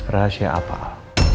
rahasia apa al